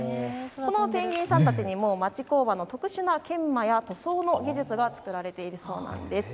ペンギンさんたちにも町工場の特集の研磨や塗装の技術が使われているそうなんです。